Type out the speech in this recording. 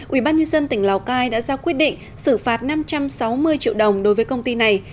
ubnd tỉnh lào cai đã ra quyết định xử phạt năm trăm sáu mươi triệu đồng đối với công ty này